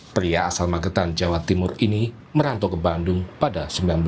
pria asal magetan jawa timur ini merantau ke bandung pada seribu sembilan ratus sembilan puluh